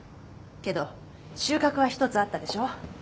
けど収穫は一つあったでしょ。